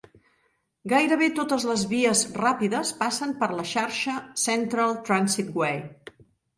Gairebé totes les vies ràpides passen per la xarxa Central Transitway.